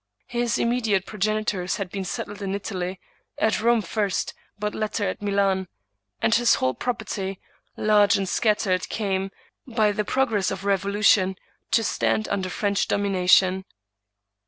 His immediate progenitors had been settled in Italy — at Rome first, but latterly at Milan ; and his whole property, large and scattered, came, by the progress of the revolution, to stand under French domination.